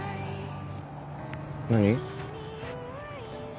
何？